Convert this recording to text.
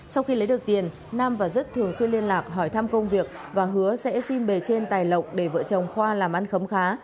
sau khi lấy được tiền nam và dứt thường xuyên liên lạc hỏi thăm công việc và hứa sẽ xin bề trên tài lộc để vợ chồng khoa làm ăn khấm khá